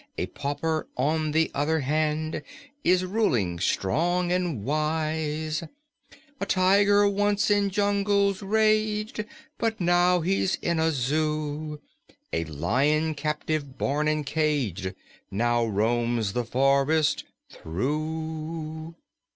A pauper, on the other hand, Is ruling, strong and wise. A tiger once in jungles raged But now he's in a zoo; A lion, captive born and caged, Now roams the forest through.